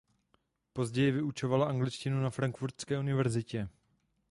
Později vyučovala angličtinu na Frankfurtské univerzitě.